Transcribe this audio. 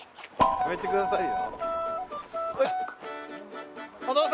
やめてくださいよ。